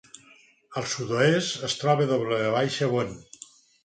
Al sud-oest es troba W. Bond.